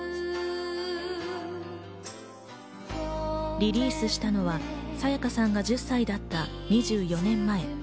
リリースしたのは沙也加さんが１０歳だった２４年前。